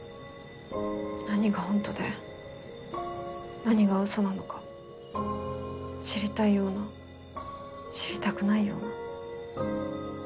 何が本当で何が嘘なのか知りたいような知りたくないような。